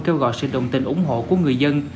kêu gọi sự đồng tình ủng hộ của người dân